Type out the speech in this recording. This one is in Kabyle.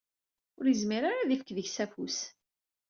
Ur izmir ara ad ifk deg-s afus.